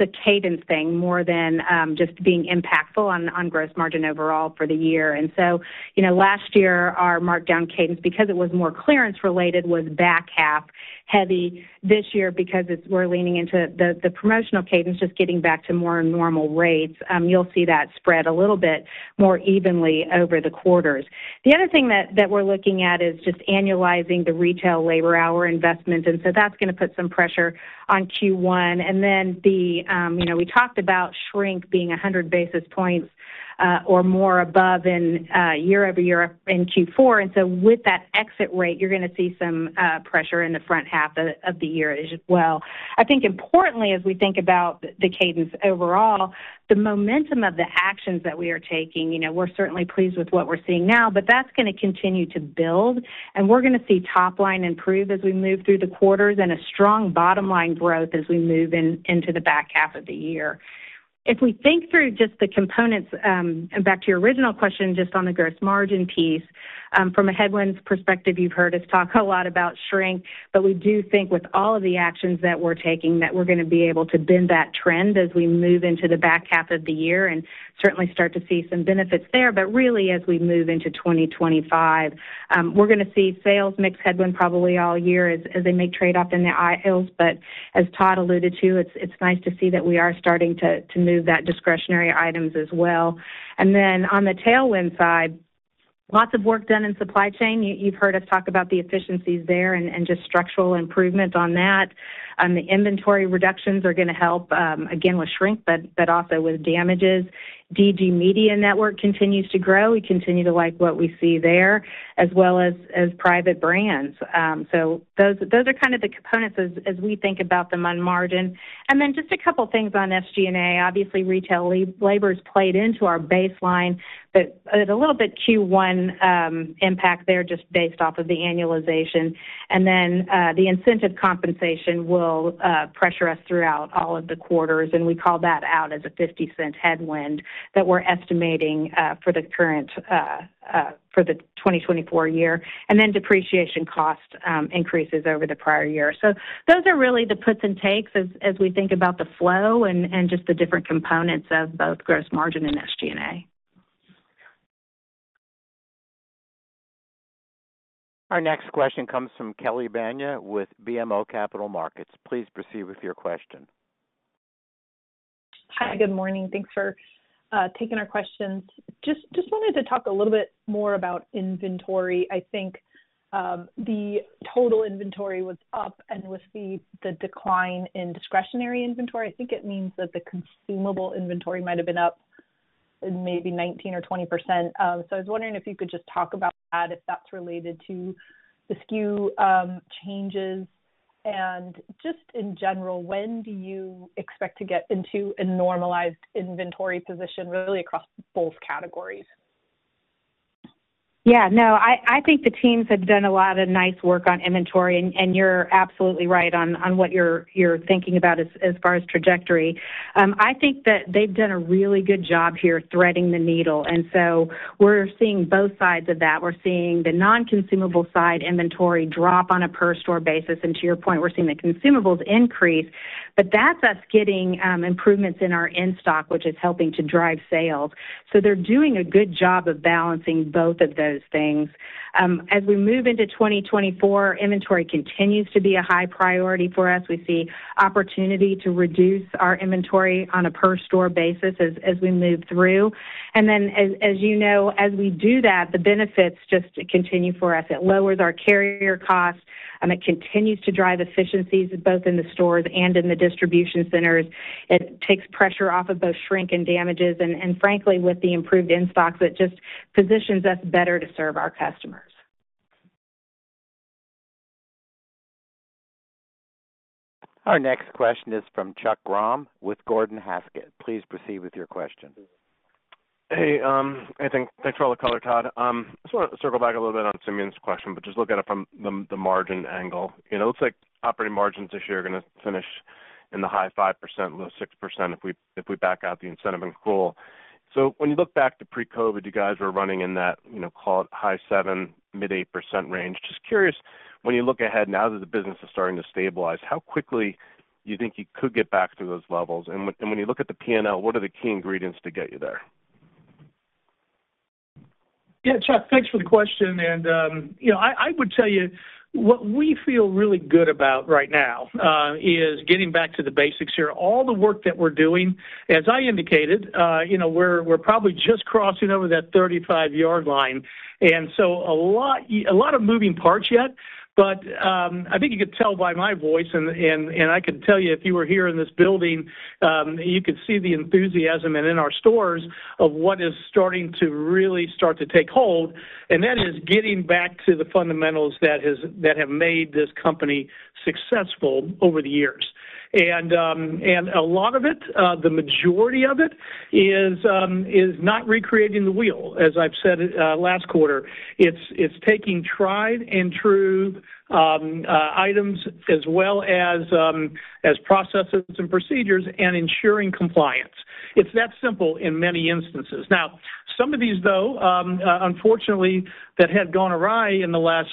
a cadence thing more than just being impactful on gross margin overall for the year. And so, last year, our markdown cadence, because it was more clearance-related, was back half heavy. This year, because we're leaning into the promotional cadence, just getting back to more normal rates, you'll see that spread a little bit more evenly over the quarters. The other thing that we're looking at is just annualizing the retail labor hour investment. And so, that's going to put some pressure on Q1. And then we talked about shrink being 100 basis points or more above year-over-year in Q4. And so, with that exit rate, you're going to see some pressure in the front half of the year as well. I think importantly, as we think about the cadence overall, the momentum of the actions that we are taking, we're certainly pleased with what we're seeing now, but that's going to continue to build. And we're going to see top line improve as we move through the quarters and a strong bottom line growth as we move into the back half of the year. If we think through just the components and back to your original question just on the gross margin piece, from a headwinds perspective, you've heard us talk a lot about shrink. But we do think with all of the actions that we're taking that we're going to be able to bend that trend as we move into the back half of the year and certainly start to see some benefits there. But really, as we move into 2025, we're going to see sales mix headwind probably all year as they make trade-off in the aisles. But as Todd alluded to, it's nice to see that we are starting to move that discretionary items as well. And then on the tailwind side, lots of work done in supply chain. You've heard us talk about the efficiencies there and just structural improvements on that. The inventory reductions are going to help, again, with shrink but also with damages. DG Media Network continues to grow. We continue to like what we see there as well as private brands. So, those are kind of the components as we think about them on margin. And then just a couple of things on SG&A. Obviously, retail labor has played into our baseline, but a little bit Q1 impact there just based off of the annualization. And then the incentive compensation will pressure us throughout all of the quarters. And we call that out as a $0.50 headwind that we're estimating for the current 2024 year. And then depreciation cost increases over the prior year. So, those are really the puts and takes as we think about the flow and just the different components of both gross margin and SG&A. Our next question comes from Kelly Bania with BMO Capital Markets. Please proceed with your question. Hi. Good morning. Thanks for taking our questions. Just wanted to talk a little bit more about inventory. I think the total inventory was up, and with the decline in discretionary inventory, I think it means that the consumable inventory might have been up maybe 19% or 20%. So, I was wondering if you could just talk about that, if that's related to the SKU changes. And just in general, when do you expect to get into a normalized inventory position really across both categories? Yeah. No, I think the teams have done a lot of nice work on inventory. And you're absolutely right on what you're thinking about as far as trajectory. I think that they've done a really good job here threading the needle. So, we're seeing both sides of that. We're seeing the non-consumable side inventory drop on a per-store basis. To your point, we're seeing the consumables increase. But that's us getting improvements in our in-stock, which is helping to drive sales. They're doing a good job of balancing both of those things. As we move into 2024, inventory continues to be a high priority for us. We see opportunity to reduce our inventory on a per-store basis as we move through. Then, as you know, as we do that, the benefits just continue for us. It lowers our carrier costs. It continues to drive efficiencies both in the stores and in the distribution centers. It takes pressure off of both shrink and damages. Frankly, with the improved in-stocks, it just positions us better to serve our customers. Our next question is from Chuck Grom with Gordon Haskett. Please proceed with your question. Hey, thanks for all the color, Todd. I just want to circle back a little bit on Simeon's question, but just look at it from the margin angle. It looks like operating margins this year are going to finish in the high 5%-low 6% if we back out the incentive and com. So, when you look back to pre-COVID, you guys were running in that, call it, high 7%-mid 8% range. Just curious, when you look ahead now that the business is starting to stabilize, how quickly do you think you could get back to those levels? And when you look at the P&L, what are the key ingredients to get you there? Yeah, Chuck, thanks for the question. And I would tell you, what we feel really good about right now is getting back to the basics here. All the work that we're doing, as I indicated, we're probably just crossing over that 35-yard line. And so, a lot of moving parts yet. But I think you could tell by my voice, and I could tell you if you were here in this building, you could see the enthusiasm and in our stores of what is starting to really start to take hold. And that is getting back to the fundamentals that have made this company successful over the years. And a lot of it, the majority of it, is not recreating the wheel, as I've said last quarter. It's taking tried and true items as well as processes and procedures and ensuring compliance. It's that simple in many instances. Now, some of these, though, unfortunately, that had gone awry in the last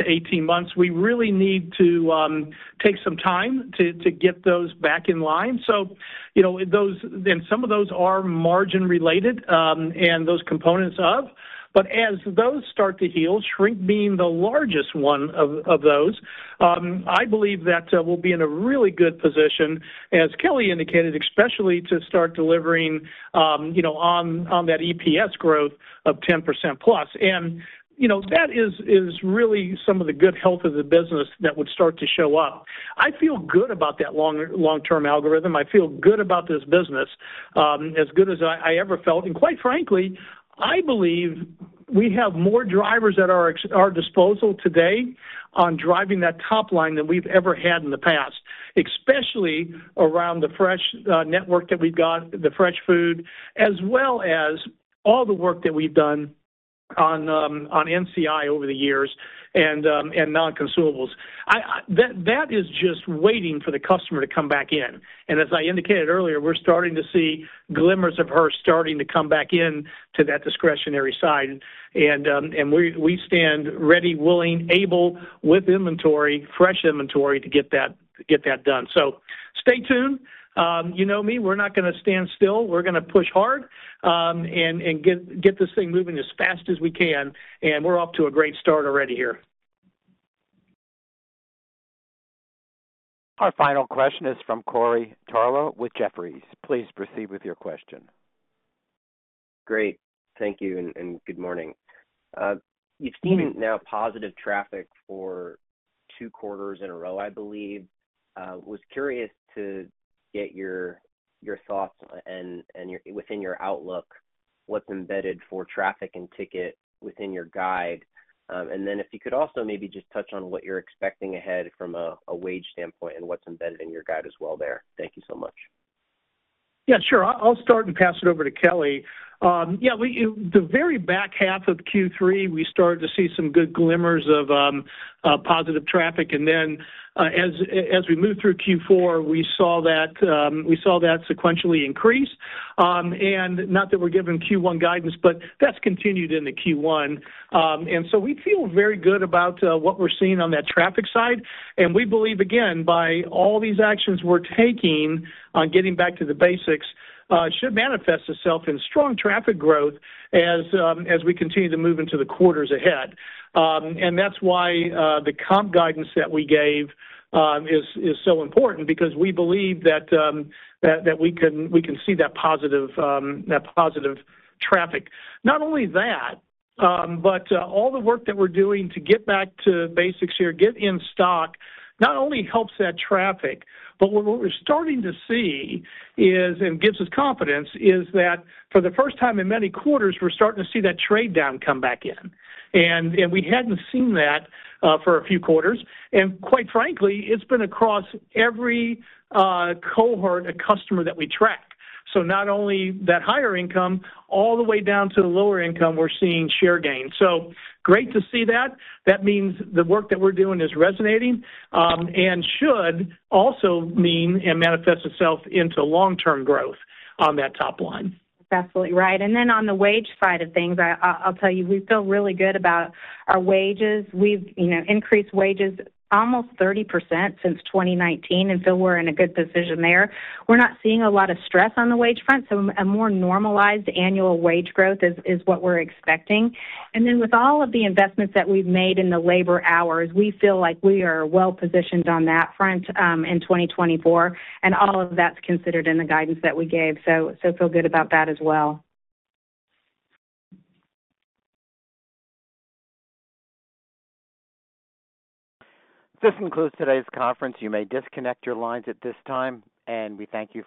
12-18 months, we really need to take some time to get those back in line. So, and some of those are margin-related and those components of. But as those start to heal, shrink being the largest one of those, I believe that we'll be in a really good position, as Kelly indicated, especially to start delivering on that EPS growth of 10%+. And that is really some of the good health of the business that would start to show up. I feel good about that long-term algorithm. I feel good about this business as good as I ever felt. And quite frankly, I believe we have more drivers at our disposal today on driving that top line than we've ever had in the past, especially around the fresh network that we've got, the fresh food, as well as all the work that we've done on NCI over the years and non-consumables. That is just waiting for the customer to come back in. And as I indicated earlier, we're starting to see glimmers of her starting to come back into that discretionary side. And we stand ready, willing, able with inventory, fresh inventory, to get that done. So, stay tuned. You know me. We're not going to stand still. We're going to push hard and get this thing moving as fast as we can. And we're off to a great start already here. Our final question is from Corey Tarlowe with Jefferies. Please proceed with your question. Great. Thank you and good morning. You've seen now positive traffic for two quarters in a row, I believe. Was curious to get your thoughts within your outlook, what's embedded for traffic and ticket within your guide. And then if you could also maybe just touch on what you're expecting ahead from a wage standpoint and what's embedded in your guide as well there. Thank you so much. Yeah, sure. I'll start and pass it over to Kelly. Yeah, the very back half of Q3, we started to see some good glimmers of positive traffic. And then as we move through Q4, we saw that sequentially increase. And not that we're given Q1 guidance, but that's continued in the Q1. And so, we feel very good about what we're seeing on that traffic side. We believe, again, by all these actions we're taking on getting Back to Basics, should manifest itself in strong traffic growth as we continue to move into the quarters ahead. And that's why the comp guidance that we gave is so important because we believe that we can see that positive traffic. Not only that, but all the work that we're doing to get Back to Basics here, get in stock, not only helps that traffic, but what we're starting to see and gives us confidence is that for the first time in many quarters, we're starting to see that trade down come back in. And we hadn't seen that for a few quarters. And quite frankly, it's been across every cohort of customer that we track. So, not only that higher income, all the way down to the lower income, we're seeing share gain. So, great to see that. That means the work that we're doing is resonating and should also mean and manifest itself into long-term growth on that top line. That's absolutely right. And then on the wage side of things, I'll tell you, we feel really good about our wages. We've increased wages almost 30% since 2019 and feel we're in a good position there. We're not seeing a lot of stress on the wage front. So, a more normalized annual wage growth is what we're expecting. And then with all of the investments that we've made in the labor hours, we feel like we are well-positioned on that front in 2024. And all of that's considered in the guidance that we gave. So, feel good about that as well. This concludes today's conference. You may disconnect your lines at this time. And we thank you for.